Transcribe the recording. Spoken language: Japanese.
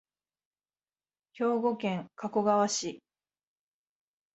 兵庫県加古川市